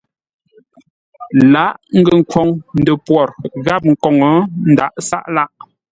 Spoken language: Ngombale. Lǎghʼ ngəkhwoŋ, ndəpwor gháp nkoŋə ndǎghʼ sáʼ lâʼ.